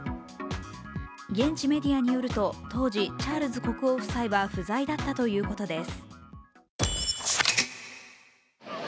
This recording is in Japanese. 現地メディアによると当時、チャールズ国王夫妻は不在だったということです。